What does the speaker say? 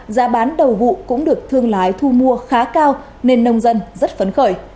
giá bán đầu vụ cũng được thương lái thu mua khá cao nên nông dân rất phấn khởi